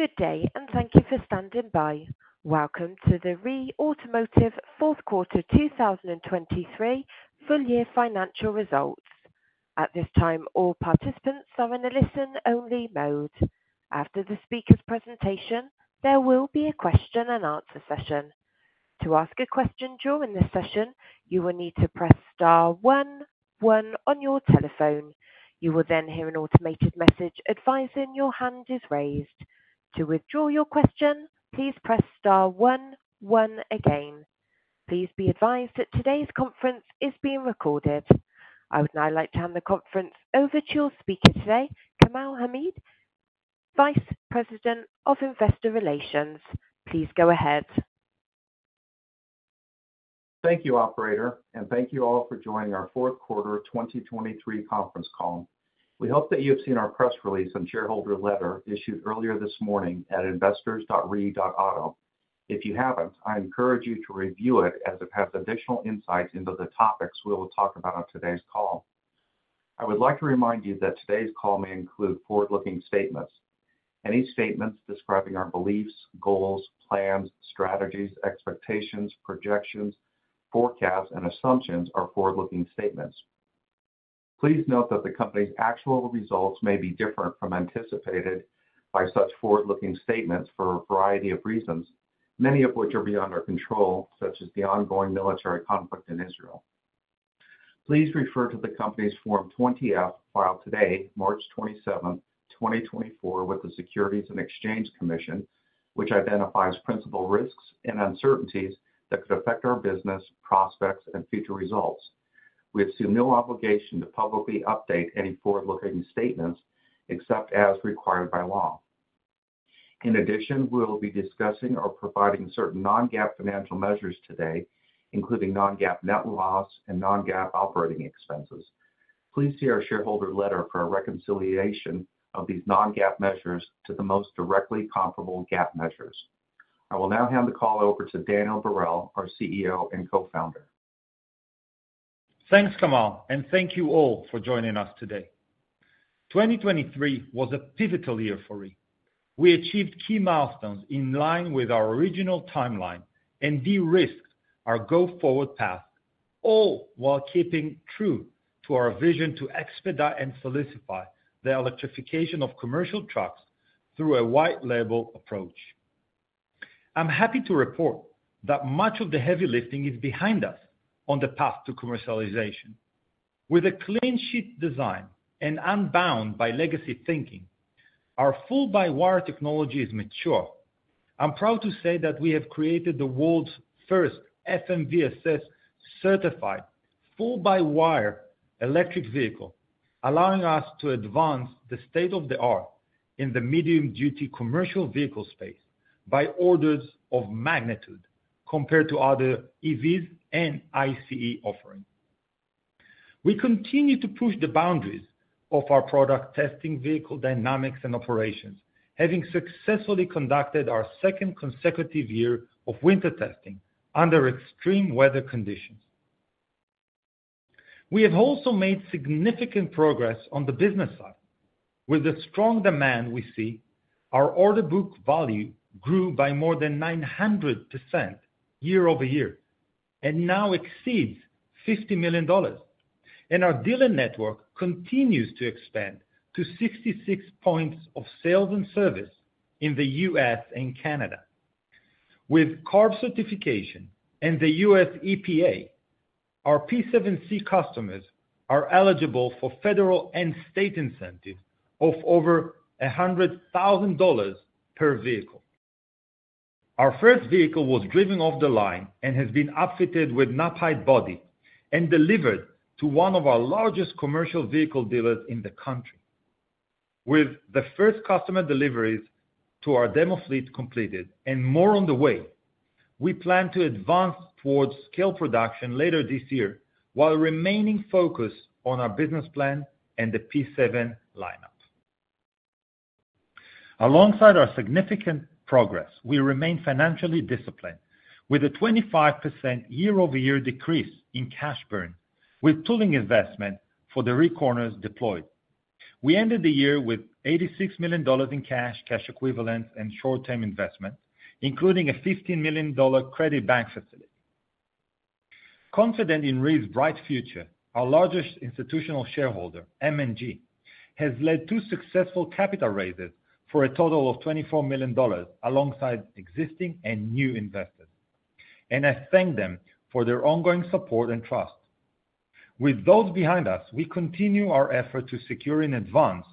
Good day, and thank you for standing by. Welcome to the REE Automotive fourth quarter 2023 full year financial results. At this time, all participants are in a listen-only mode. After the speaker's presentation, there will be a question-and-answer session. To ask a question during this session, you will need to press star 1 1 on your telephone. You will then hear an automated message advising your hand is raised. To withdraw your question, please press star 1 1 again. Please be advised that today's conference is being recorded. I would now like to hand the conference over to your speaker today, Kamal Hamid, Vice President of Investor Relations. Please go ahead. Thank you, operator, and thank you all for joining our fourth quarter 2023 conference call. We hope that you have seen our press release and shareholder letter issued earlier this morning at investors.ree.auto. If you haven't, I encourage you to review it as it has additional insights into the topics we will talk about on today's call. I would like to remind you that today's call may include forward-looking statements. Any statements describing our beliefs, goals, plans, strategies, expectations, projections, forecasts, and assumptions are forward-looking statements. Please note that the company's actual results may be different from anticipated by such forward-looking statements for a variety of reasons, many of which are beyond our control, such as the ongoing military conflict in Israel. Please refer to the company's Form 20-F filed today, March 27th, 2024, with the Securities and Exchange Commission, which identifies principal risks and uncertainties that could affect our business, prospects, and future results. We assume no obligation to publicly update any forward-looking statements except as required by law. In addition, we will be discussing or providing certain non-GAAP financial measures today, including non-GAAP net loss and non-GAAP operating expenses. Please see our shareholder letter for a reconciliation of these non-GAAP measures to the most directly comparable GAAP measures. I will now hand the call over to Daniel Barel, our CEO and co-founder. Thanks, Kamal, and thank you all for joining us today. 2023 was a pivotal year for REE. We achieved key milestones in line with our original timeline and de-risked our go-forward path, all while keeping true to our vision to expedite and solidify the electrification of commercial trucks through a white-label approach. I'm happy to report that much of the heavy lifting is behind us on the path to commercialization. With a clean-sheet design and unbound by legacy thinking, our full-by-wire technology is mature. I'm proud to say that we have created the world's first FMVSS-certified full-by-wire electric vehicle, allowing us to advance the state-of-the-art in the medium-duty commercial vehicle space by orders of magnitude compared to other EVs and ICE offerings. We continue to push the boundaries of our product testing vehicle dynamics and operations, having successfully conducted our second consecutive year of winter testing under extreme weather conditions. We have also made significant progress on the business side. With the strong demand we see, our order book value grew by more than 900% year-over-year and now exceeds $50 million. Our dealer network continues to expand to 66 points of sales and service in the U.S. and Canada. With CARB certification and the U.S. EPA, our P7-C customers are eligible for federal and state incentives of over $100,000 per vehicle. Our first vehicle was driven off the line and has been upfitted with Knapheide body and delivered to one of our largest commercial vehicle dealers in the country. With the first customer deliveries to our demo fleet completed and more on the way, we plan to advance towards scale production later this year while remaining focused on our business plan and the P7 lineup. Alongside our significant progress, we remain financially disciplined with a 25% year-over-year decrease in cash burn with tooling investment for the REEcorners deployed. We ended the year with $86 million in cash, cash equivalents, and short-term investment, including a $15 million credit bank facility. Confident in REE's bright future, our largest institutional shareholder, M&G, has led to successful capital raises for a total of $24 million alongside existing and new investors. I thank them for their ongoing support and trust. With those behind us, we continue our effort to secure in advance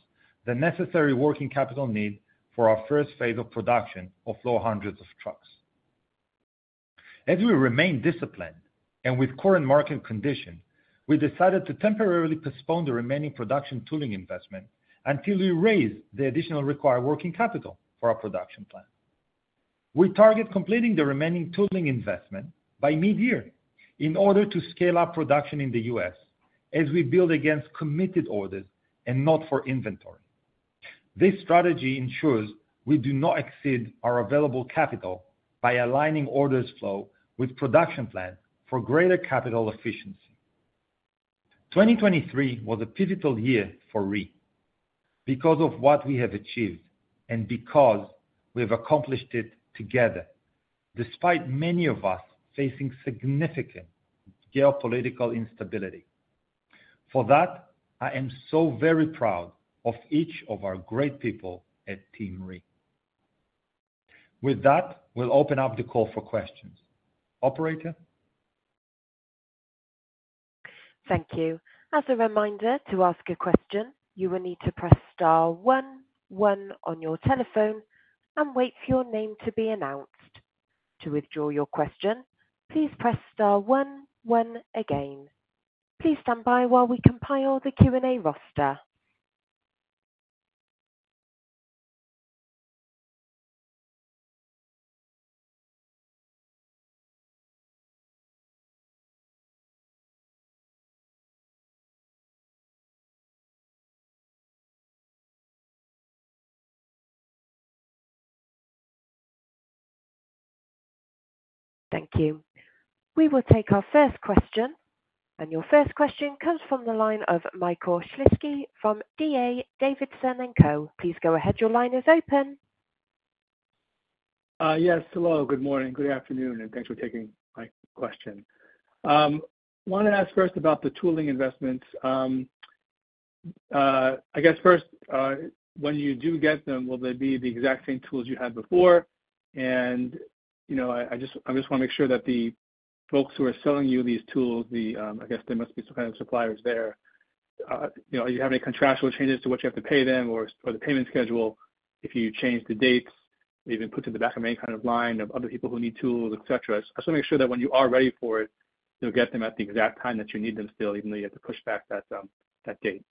the necessary working capital need for our first phase of production of low hundreds of trucks. As we remain disciplined and with current market conditions, we decided to temporarily postpone the remaining production tooling investment until we raise the additional required working capital for our production plan. We target completing the remaining tooling investment by mid-year in order to scale up production in the U.S. as we build against committed orders and not for inventory. This strategy ensures we do not exceed our available capital by aligning orders flow with production plans for greater capital efficiency. 2023 was a pivotal year for REE because of what we have achieved and because we have accomplished it together, despite many of us facing significant geopolitical instability. For that, I am so very proud of each of our great people at Team REE. With that, we'll open up the call for questions. Operator? Thank you. As a reminder, to ask a question, you will need to press star 1 1 on your telephone and wait for your name to be announced. To withdraw your question, please press star 1 1 again. Please stand by while we compile the Q&A roster. Thank you. We will take our first question, and your first question comes from the line of Michael Shlisky from D.A. Davidson & Co. Please go ahead. Your line is open. Yes. Hello. Good morning. Good afternoon. Thanks for taking my question. I want to ask first about the tooling investments. I guess first, when you do get them, will they be the exact same tools you had before? And I just want to make sure that the folks who are selling you these tools, I guess there must be some kind of suppliers there. Are you having any contractual changes to what you have to pay them or the payment schedule if you change the dates, even puts in the back of any kind of line of other people who need tools, etc.? I just want to make sure that when you are ready for it, you'll get them at the exact time that you need them still, even though you have to push back that date.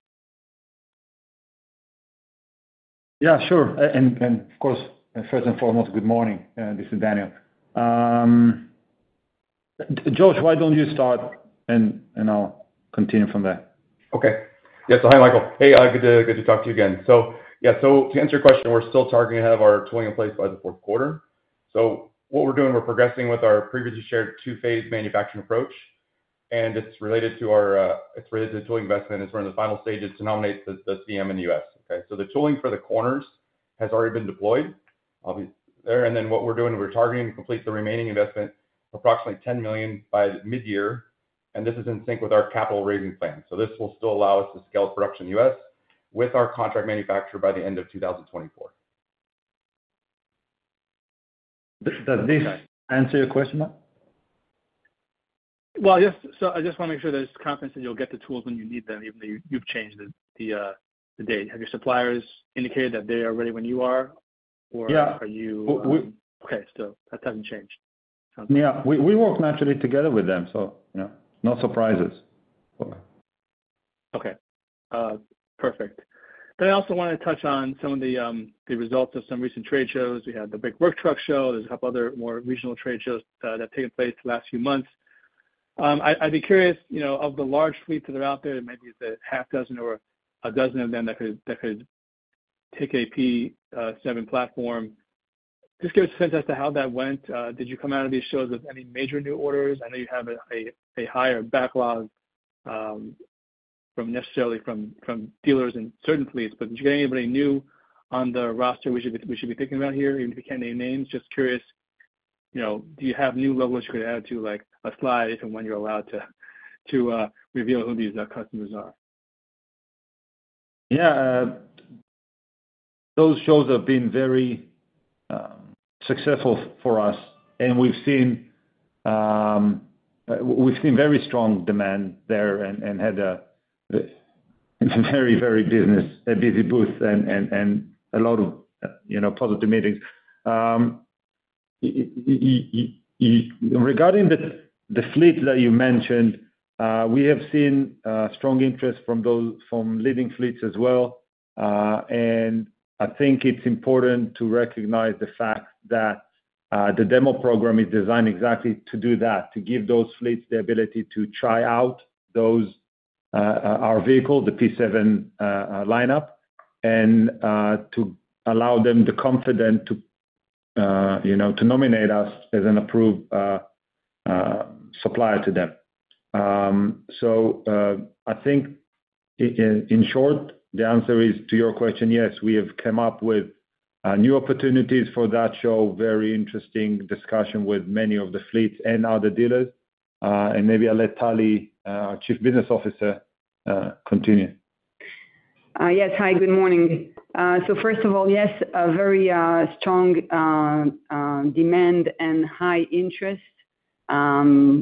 Yeah, sure. Of course, first and foremost, good morning. This is Daniel. Josh, why don't you start, and I'll continue from there? Okay. Yeah. So hi, Michael. Hey, good to talk to you again. So yeah, so to answer your question, we're still targeting to have our tooling in place by the fourth quarter. So what we're doing, we're progressing with our previously shared two-phase manufacturing approach. And it's related to tooling investment. It's we're in the final stages to nominate the CM in the U.S. Okay? So the tooling for the corners has already been deployed there. And then what we're doing, we're targeting to complete the remaining investment, approximately $10 million by mid-year. And this is in sync with our capital raising plan. So this will still allow us to scale production in the U.S. with our contract manufacturer by the end of 2024. Does this answer your question, Michael? Well, yes. So I just want to make sure there's confidence that you'll get the tools when you need them, even though you've changed the date. Have your suppliers indicated that they are ready when you are, or are you? Yeah. Okay. So that hasn't changed, sounds like. Yeah. We work naturally together with them, so no surprises. Okay. Perfect. Then I also wanted to touch on some of the results of some recent trade shows. We had the big Work Truck Show. There's a couple other more regional trade shows that have taken place the last few months. I'd be curious, of the large fleet that are out there, maybe it's 6 or 12 of them that could take a P7 platform. Just give us a sense as to how that went. Did you come out of these shows with any major new orders? I know you have a higher backlog necessarily from dealers and certain fleets, but did you get anybody new on the roster we should be thinking about here, even if you can't name names? Just curious, do you have new levels you could add to a slide if and when you're allowed to reveal who these customers are? Yeah. Those shows have been very successful for us. And we've seen very strong demand there and had a very, very busy booth and a lot of positive meetings. Regarding the fleet that you mentioned, we have seen strong interest from leading fleets as well. And I think it's important to recognize the fact that the demo program is designed exactly to do that, to give those fleets the ability to try out our vehicle, the P7 Lineup, and to allow them the confidence to nominate us as an approved supplier to them. So I think, in short, the answer is to your question, yes, we have come up with new opportunities for that show, very interesting discussion with many of the fleets and other dealers. And maybe I'll let Tali, our Chief Business Officer, continue. Yes. Hi. Good morning. First of all, yes, very strong demand and high interest.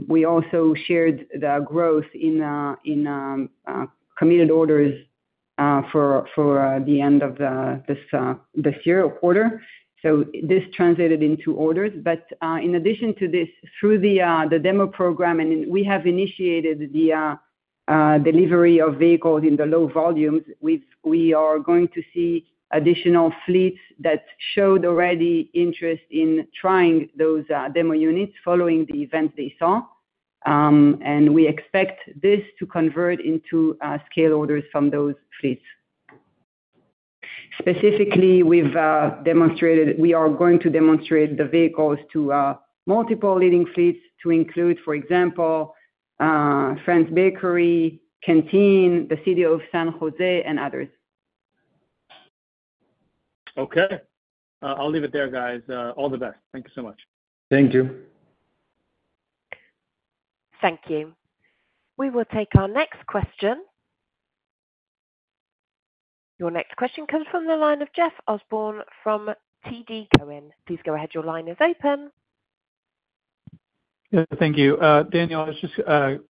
We also shared the growth in committed orders for the end of this year or quarter. This translated into orders. But in addition to this, through the demo program, we have initiated the delivery of vehicles in low volumes. We are going to see additional fleets that showed already interest in trying those demo units following the events they saw. We expect this to convert into scale orders from those fleets. Specifically, we are going to demonstrate the vehicles to multiple leading fleets to include, for example, Franz Bakery, Canteen, the City of San Jose, and others. Okay. I'll leave it there, guys. All the best. Thank you so much. Thank you. Thank you. We will take our next question. Your next question comes from the line of Jeff Osborne from TD Cowen. Please go ahead. Your line is open. Yeah. Thank you. Daniel, I was just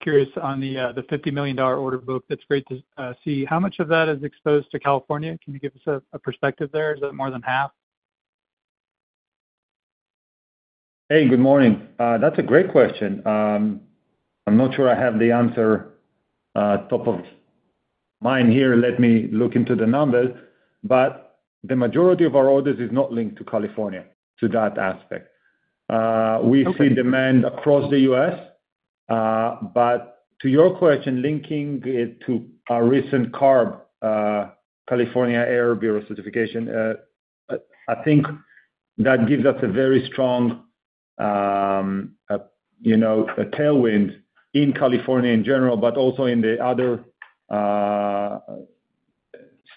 curious on the $50 million order book. That's great to see. How much of that is exposed to California? Can you give us a perspective there? Is that more than half? Hey, good morning. That's a great question. I'm not sure I have the answer top of mind here. Let me look into the numbers. But the majority of our orders is not linked to California, to that aspect. We see demand across the U.S. But to your question, linking it to our recent CARB, California Air Resources Board certification, I think that gives us a very strong tailwind in California in general, but also in the other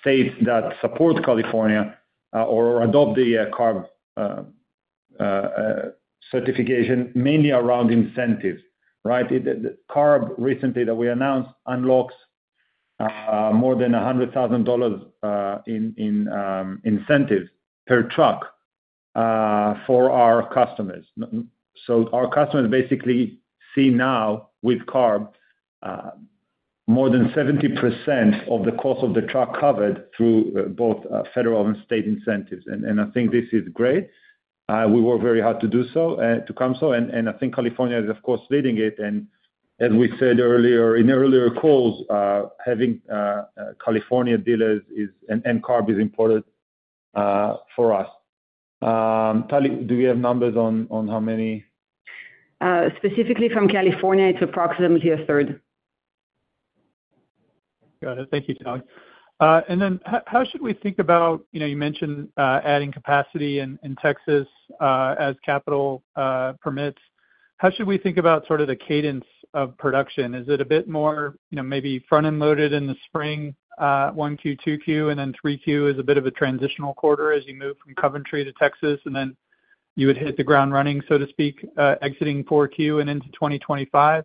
states that support California or adopt the CARB certification, mainly around incentives, right? CARB recently that we announced unlocks more than $100,000 in incentives per truck for our customers. So our customers basically see now with CARB more than 70% of the cost of the truck covered through both federal and state incentives. And I think this is great. We work very hard to come so. And I think California is, of course, leading it. And as we said earlier in earlier calls, having California dealers and CARB is important for us. Tali, do we have numbers on how many? Specifically from California, it's approximately a third. Got it. Thank you, Tali. And then, how should we think about you mentioned adding capacity in Texas as capital permits. How should we think about sort of the cadence of production? Is it a bit more maybe front-end loaded in the spring 1Q, 2Q, and then 3Q is a bit of a transitional quarter as you move from Coventry to Texas, and then you would hit the ground running, so to speak, exiting 4Q and into 2025?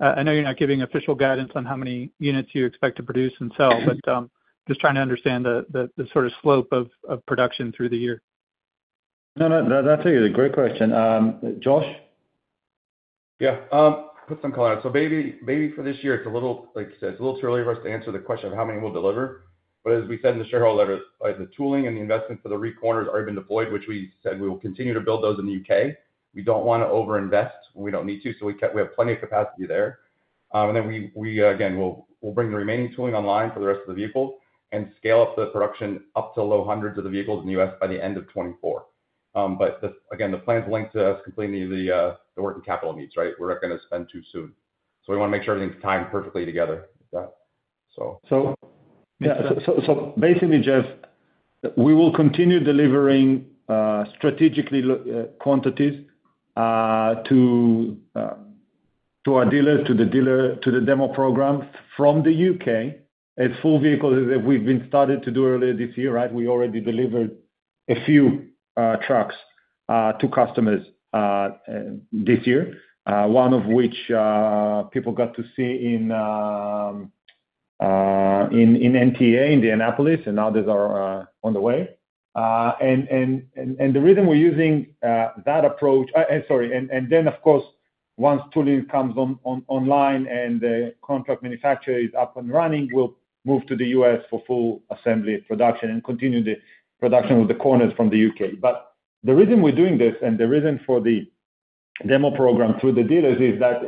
I know you're not giving official guidance on how many units you expect to produce and sell, but just trying to understand the sort of slope of production through the year. No, no. That's a great question. Josh? Yeah. Put some color on it. So maybe for this year, it's a little like you said, it's a little too early for us to answer the question of how many we'll deliver. But as we said in the shareholder letter, the tooling and the investment for the REEcorners already been deployed, which we said we will continue to build those in the U.K. We don't want to overinvest. We don't need to. So we have plenty of capacity there. And then we, again, will bring the remaining tooling online for the rest of the vehicles and scale up the production up to low hundreds of the vehicles in the U.S. by the end of 2024. But again, the plan's linked to us completing the working capital needs, right? We're not going to spend too soon. So we want to make sure everything's timed perfectly together, so. So basically, Jeff, we will continue delivering strategically quantities to our dealers, to the dealer to the demo program from the UK as full vehicles as we've been started to do earlier this year, right? We already delivered a few trucks to customers this year, one of which people got to see in NTEA, Indianapolis, and now these are on the way. And the reason we're using that approach, sorry, and then, of course, once tooling comes online and the contract manufacturer is up and running, we'll move to the U.S. for full assembly production and continue the production of the corners from the U.K. But the reason we're doing this and the reason for the demo program through the dealers is that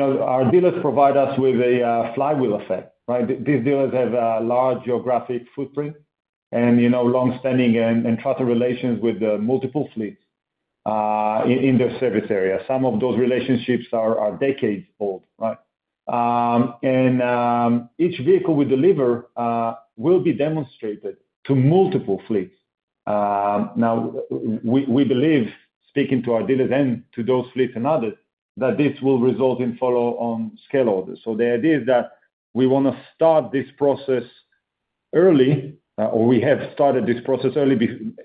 our dealers provide us with a flywheel effect, right? These dealers have a large geographic footprint and long-standing and trusted relations with multiple fleets in their service area. Some of those relationships are decades old, right? Each vehicle we deliver will be demonstrated to multiple fleets. Now, we believe, speaking to our dealers and to those fleets and others, that this will result in follow-on scale orders. So the idea is that we want to start this process early, or we have started this process early,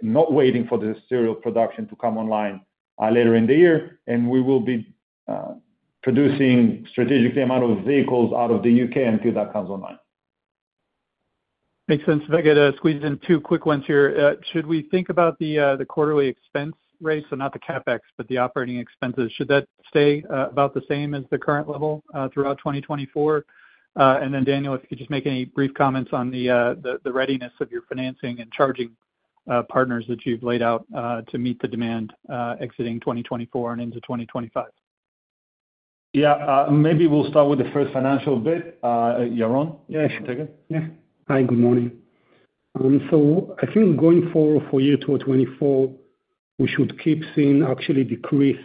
not waiting for the serial production to come online later in the year. We will be producing a strategic amount of vehicles out of the UK until that comes online. Makes sense. If I could squeeze in two quick ones here. Should we think about the quarterly expense rate, so not the CapEx, but the operating expenses? Should that stay about the same as the current level throughout 2024? And then, Daniel, if you could just make any brief comments on the readiness of your financing and charging partners that you've laid out to meet the demand exiting 2024 and into 2025. Yeah. Maybe we'll start with the first financial bit. Yaron? Yeah, you can take it. Yeah. Hi. Good morning. So I think going forward for year 2024, we should keep seeing actually decrease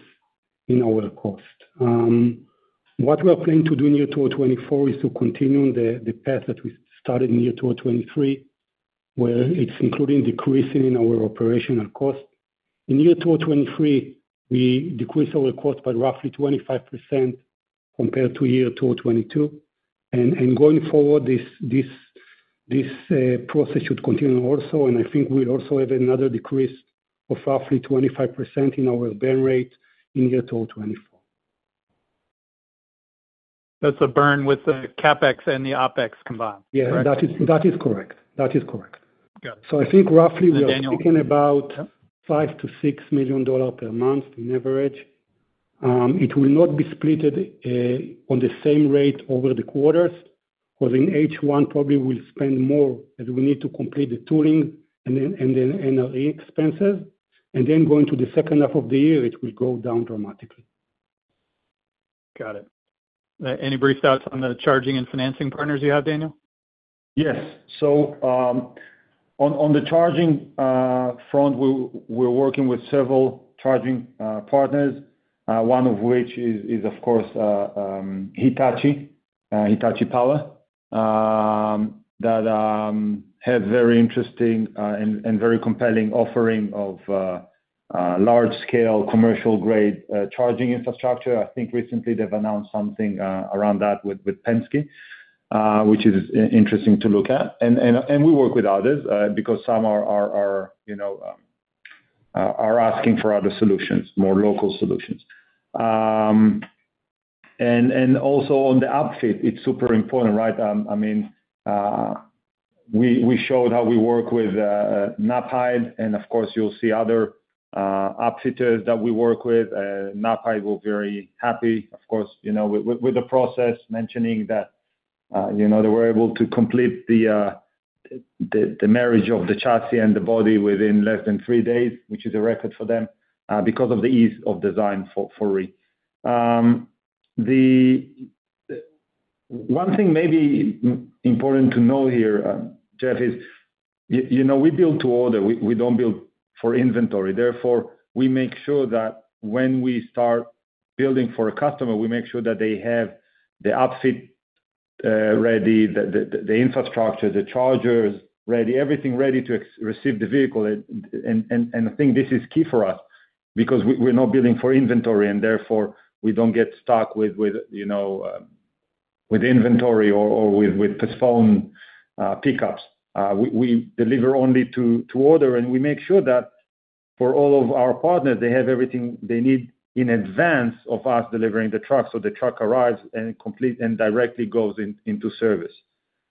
in our cost. What we are planning to do in year 2024 is to continue on the path that we started in year 2023, where it's including decreasing in our operational cost. In year 2023, we decreased our cost by roughly 25% compared to year 2022. And going forward, this process should continue also. And I think we'll also have another decrease of roughly 25% in our burn rate in year 2024. That's a burn with the CapEx and the OpEx combined, correct? Yeah. That is correct. That is correct. So I think roughly we are speaking about $5 million-$6 million per month on average. It will not be split on the same rate over the quarters, because in H1, probably we'll spend more as we need to complete the tooling and the NRE expenses. And then going to the second half of the year, it will go down dramatically. Got it. Any brief thoughts on the charging and financing partners you have, Daniel? Yes. So on the charging front, we're working with several charging partners, one of which is, of course, Hitachi, that have very interesting and very compelling offering of large-scale, commercial-grade charging infrastructure. I think recently, they've announced something around that with Penske, which is interesting to look at. We work with others because some are asking for other solutions, more local solutions. Also on the upfit, it's super important, right? I mean, we showed how we work with Knapheide. And of course, you'll see other upfitters that we work with. Knapheide were very happy, of course, with the process, mentioning that they were able to complete the marriage of the chassis and the body within less than three days, which is a record for them because of the ease of design for REE. One thing maybe important to know here, Jeff, is we build to order. We don't build for inventory. Therefore, we make sure that when we start building for a customer, we make sure that they have the upfit ready, the infrastructure, the chargers ready, everything ready to receive the vehicle. And I think this is key for us because we're not building for inventory. And therefore, we don't get stuck with inventory or with postponed pickups. We deliver only to order. And we make sure that for all of our partners, they have everything they need in advance of us delivering the truck. So the truck arrives and directly goes into service.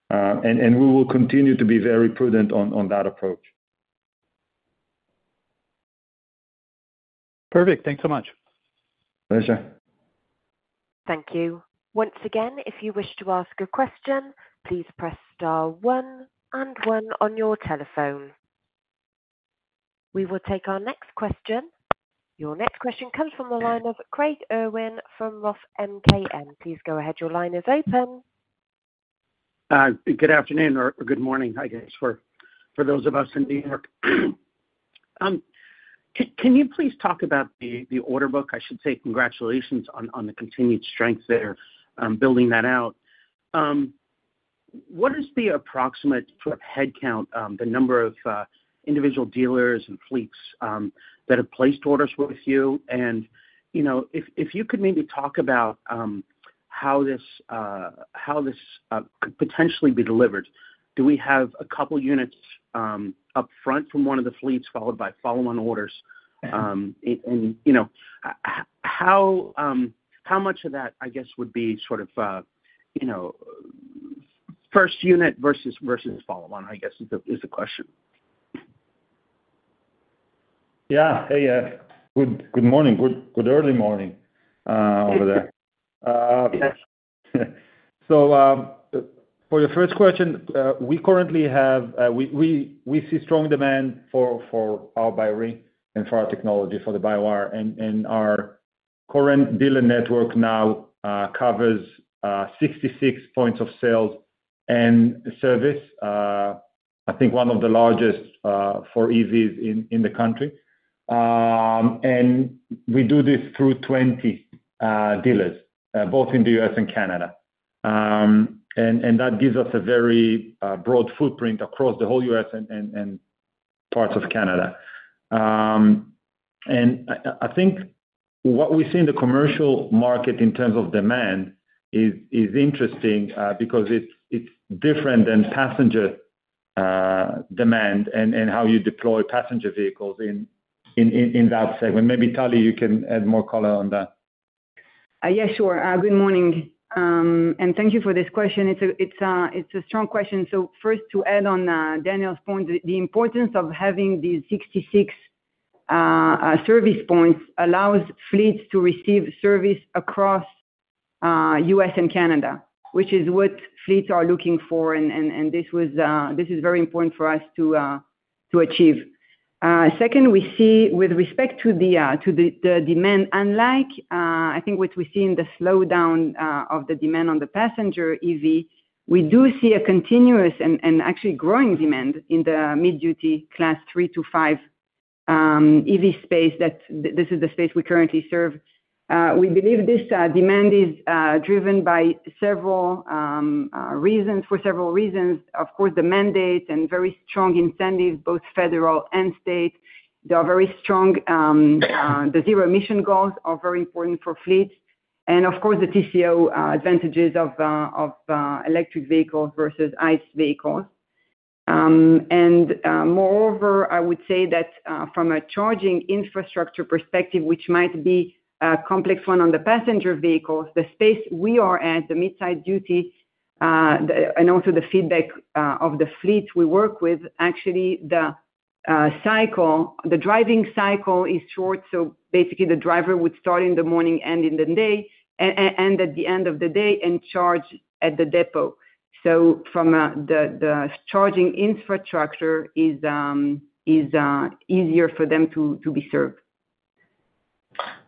And we will continue to be very prudent on that approach. Perfect. Thanks so much. Pleasure. Thank you. Once again, if you wish to ask a question, please press star 1 and 1 on your telephone. We will take our next question. Your next question comes from the line of Craig Irwin from Roth MKM. Please go ahead. Your line is open. Good afternoon or good morning, I guess, for those of us in New York. Can you please talk about the order book? I should say congratulations on the continued strength there, building that out. What is the approximate sort of headcount, the number of individual dealers and fleets that have placed orders with you? And if you could maybe talk about how this could potentially be delivered, do we have a couple units upfront from one of the fleets, followed by follow-on orders? And how much of that, I guess, would be sort of first unit versus follow-on, I guess, is the question? Yeah. Hey, Jeff. Good morning. Good early morning over there. So for your first question, we currently see strong demand for our by-wire and for our technology, for the by-wire. And our current dealer network now covers 66 points of sales and service, I think one of the largest for EVs in the country. And we do this through 20 dealers, both in the U.S. and Canada. And that gives us a very broad footprint across the whole U.S. and parts of Canada. And I think what we see in the commercial market in terms of demand is interesting because it's different than passenger demand and how you deploy passenger vehicles in that segment. Maybe, Tali, you can add more color on that. Yeah, sure. Good morning. Thank you for this question. It's a strong question. So first, to add on Daniel's point, the importance of having these 66 service points allows fleets to receive service across U.S. and Canada, which is what fleets are looking for. And this is very important for us to achieve. Second, we see with respect to the demand, unlike I think what we see in the slowdown of the demand on the passenger EV, we do see a continuous and actually growing demand in the mid-duty Class 3 to 5 EV space. This is the space we currently serve. We believe this demand is driven by several reasons, for several reasons. Of course, the mandates and very strong incentives, both federal and state. They are very strong. The zero-emission goals are very important for fleets. And of course, the TCO advantages of electric vehicles versus ICE vehicles. And moreover, I would say that from a charging infrastructure perspective, which might be a complex one on the passenger vehicles, the space we are at, the medium-duty, and also the feedback of the fleets we work with, actually, the driving cycle is short. So basically, the driver would start in the morning, end in the day, and at the end of the day, and charge at the depot. So from the charging infrastructure, it's easier for them to be served.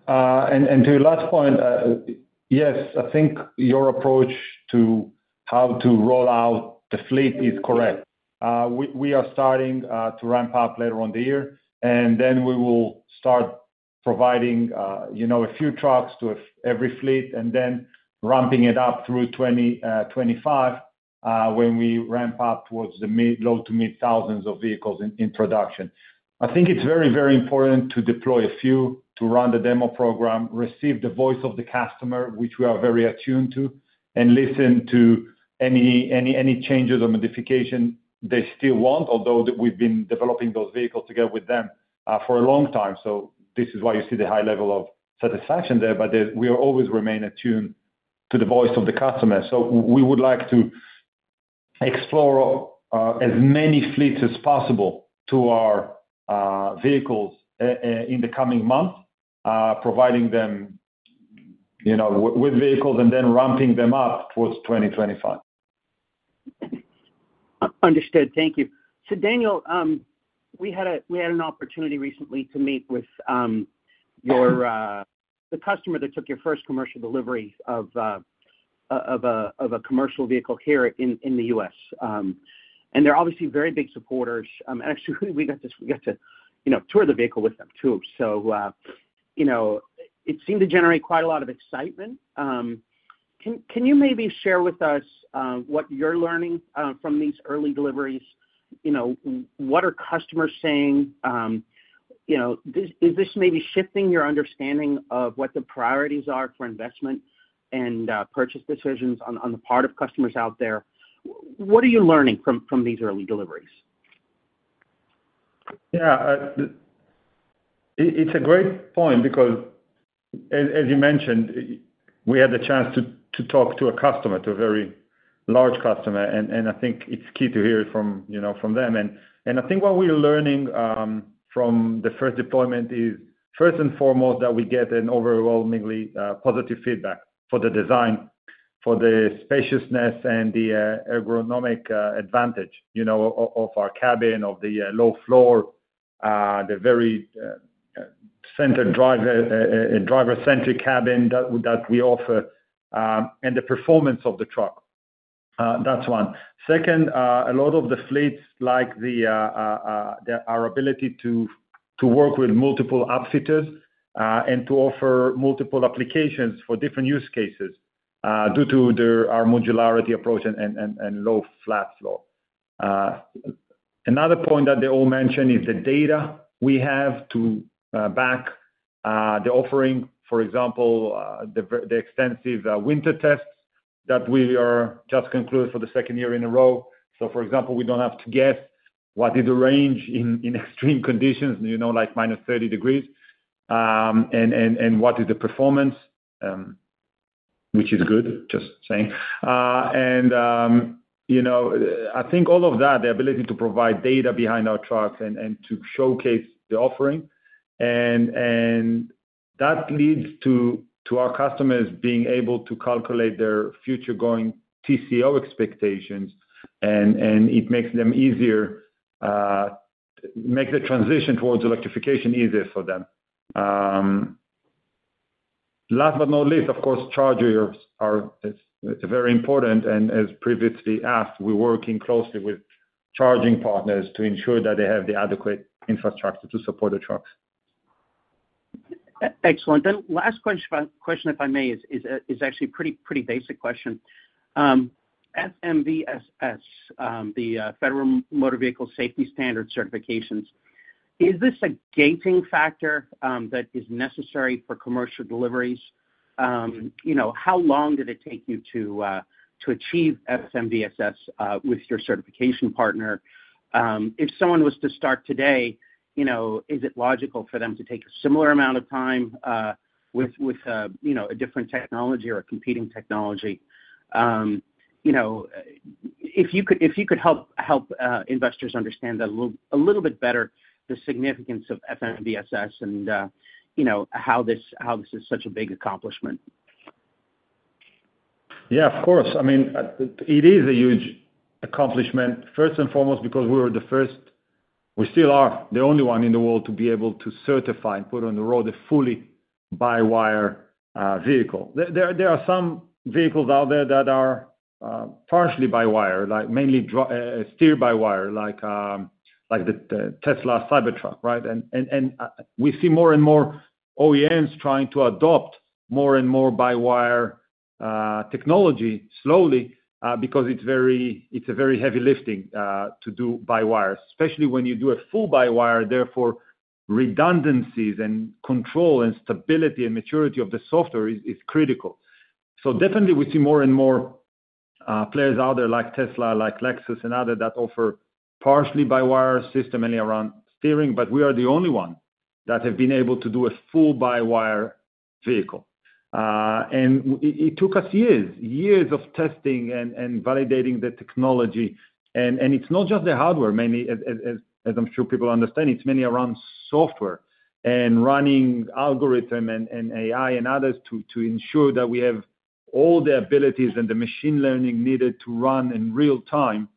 And to your last point, yes, I think your approach to how to roll out the fleet is correct. We are starting to ramp up later on the year. Then we will start providing a few trucks to every fleet and then ramping it up through 2025 when we ramp up towards the low to mid-thousands of vehicles in production. I think it's very, very important to deploy a few, to run the demo program, receive the voice of the customer, which we are very attuned to, and listen to any changes or modifications they still want, although we've been developing those vehicles together with them for a long time. So this is why you see the high level of satisfaction there. But we always remain attuned to the voice of the customer. We would like to expose as many fleets as possible to our vehicles in the coming months, providing them with vehicles and then ramping them up towards 2025. Understood. Thank you. So Daniel, we had an opportunity recently to meet with the customer that took your first commercial delivery of a commercial vehicle here in the U.S. They're obviously very big supporters. Actually, we got to tour the vehicle with them too. So it seemed to generate quite a lot of excitement. Can you maybe share with us what you're learning from these early deliveries? What are customers saying? Is this maybe shifting your understanding of what the priorities are for investment and purchase decisions on the part of customers out there? What are you learning from these early deliveries? Yeah. It's a great point because, as you mentioned, we had the chance to talk to a customer, to a very large customer. And I think it's key to hear it from them. And I think what we're learning from the first deployment is, first and foremost, that we get an overwhelmingly positive feedback for the design, for the spaciousness, and the ergonomic advantage of our cabin, of the low floor, the very center-driver-centric cabin that we offer, and the performance of the truck. That's one. Second, a lot of the fleets like our ability to work with multiple upfitters and to offer multiple applications for different use cases due to our modularity approach and low flat floor. Another point that they all mention is the data we have to back the offering, for example, the extensive winter tests that we are just concluding for the second year in a row. So for example, we don't have to guess what is the range in extreme conditions, like -30 degrees, and what is the performance, which is good, just saying. And I think all of that, the ability to provide data behind our trucks and to showcase the offering, and that leads to our customers being able to calculate their future-going TCO expectations. And it makes the transition towards electrification easier for them. Last but not least, of course, chargers are very important. And as previously asked, we're working closely with charging partners to ensure that they have the adequate infrastructure to support the trucks. Excellent. Then last question, if I may, is actually a pretty basic question. FMVSS, the Federal Motor Vehicle Safety Standards certifications, is this a gating factor that is necessary for commercial deliveries? How long did it take you to achieve FMVSS with your certification partner? If someone was to start today, is it logical for them to take a similar amount of time with a different technology or a competing technology? If you could help investors understand a little bit better the significance of FMVSS and how this is such a big accomplishment. Yeah, of course. I mean, it is a huge accomplishment, first and foremost, because we were the first, we still are the only one in the world to be able to certify and put on the road a fully by-wire vehicle. There are some vehicles out there that are partially by-wire, mainly steer-by-wire, like the Tesla Cybertruck, right? And we see more and more OEMs trying to adopt more and more by-wire technology slowly because it's a very heavy lifting to do by-wire, especially when you do a full by-wire. Therefore, redundancies and control and stability and maturity of the software is critical. So definitely, we see more and more players out there, like Tesla, like Lexus, and others that offer partially by-wire system only around steering. But we are the only one that has been able to do a full by-wire vehicle. It took us years, years of testing and validating the technology. It's not just the hardware, mainly, as I'm sure people understand. It's mainly around software and running algorithms and AI and others to ensure that we have all the abilities and the machine learning needed to run in real-time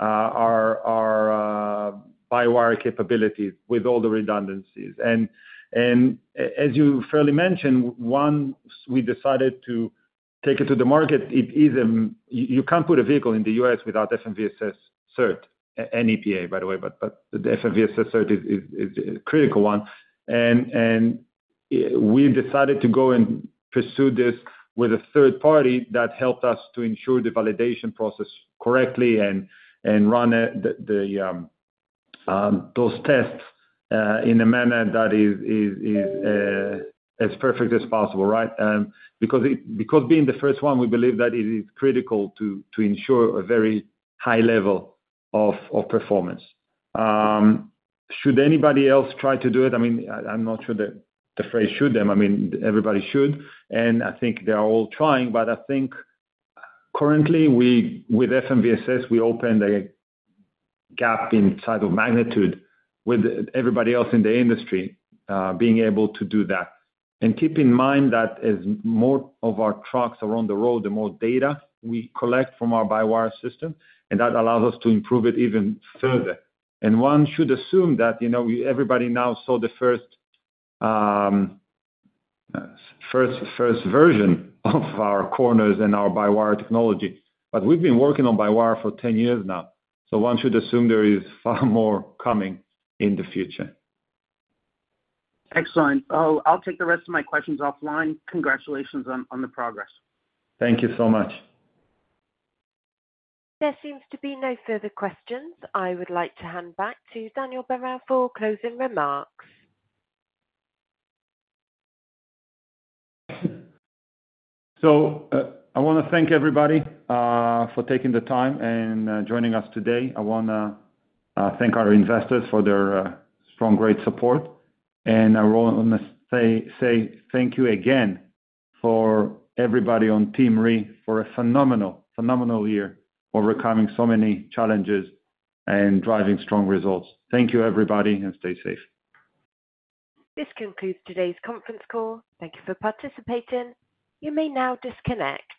our by-wire capabilities with all the redundancies. As you fairly mentioned, once we decided to take it to the market, it is, a you can't put a vehicle in the U.S. without FMVSS cert, and EPA, by the way. But the FMVSS cert is a critical one. We decided to go and pursue this with a third party that helped us to ensure the validation process correctly and run those tests in a manner that is as perfect as possible, right? Because being the first one, we believe that it is critical to ensure a very high level of performance. Should anybody else try to do it? I mean, I'm not sure the phrase should them. I mean, everybody should. And I think they are all trying. But I think currently, with FMVSS, we opened a gap in size of magnitude with everybody else in the industry being able to do that. And keep in mind that as more of our trucks are on the road, the more data we collect from our by-wire technology. But we've been working on by-wire for 10 years now. So one should assume there is far more coming in the future. Excellent. I'll take the rest of my questions offline. Congratulations on the progress. Thank you so much. There seems to be no further questions. I would like to hand back to Daniel Barel for closing remarks. I want to thank everybody for taking the time and joining us today. I want to thank our investors for their strong, great support. I want to say thank you again for everybody on Team REE for a phenomenal year overcoming so many challenges and driving strong results. Thank you, everybody, and stay safe. This concludes today's conference call. Thank you for participating. You may now disconnect.